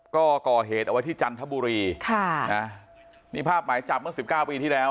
ก็ก่อเหตุเอาไว้ที่จันทบุรีค่ะนะนี่ภาพหมายจับเมื่อสิบเก้าปีที่แล้ว